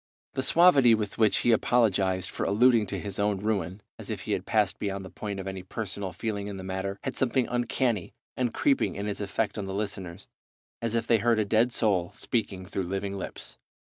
The suavity with which he apologized for alluding to his own ruin, as if he had passed beyond the point of any personal feeling in the matter, had something uncanny and creeping in its effect on the listeners, as if they heard a dead soul speaking through living lips.